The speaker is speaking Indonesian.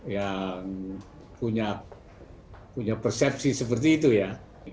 yang punya persepsi seperti itu ya